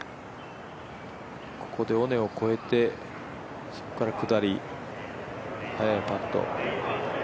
ここで尾根を越えてそこから下り、速いパット。